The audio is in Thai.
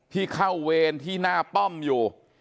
ที่เข้าเวรที่หน้าป้อมอยู่